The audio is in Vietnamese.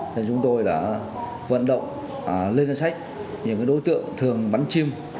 thế chúng tôi đã vận động lên danh sách những đối tượng thường bắn chim